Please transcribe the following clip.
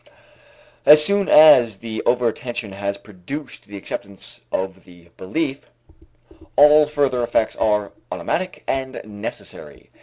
As soon as the over attention has produced the acceptance of the belief, all further effects are automatic and necessary.